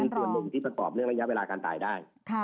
เป็นส่วนหนึ่งที่ผสมเรื่องระยะเวลาการตายได้